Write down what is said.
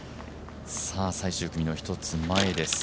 最終組の１つ前です。